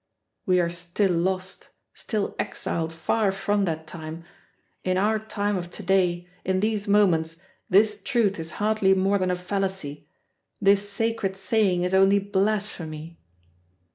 We are still lost, still exiled far from that time. In our time of to day, in these moments, this truth is hardly more than a fallacy, this sacred saying is only blasphemy!"